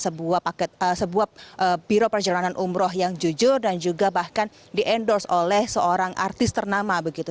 first travel ini adalah sebuah paket sebuah biro perjalanan umroh yang jujur dan juga bahkan di endorse oleh seorang artis ternama begitu